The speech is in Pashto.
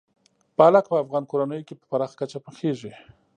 پالک په افغان کورنیو کې په پراخه کچه پخېږي.